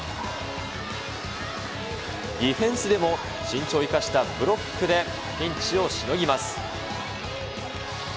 ディフェンスでも身長を生かしたブロックでピンチをしのぎます。